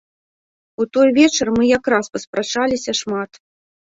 У той вечар мы як раз паспрачаліся шмат.